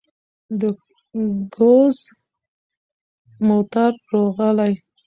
د ګوز موتر روغلى.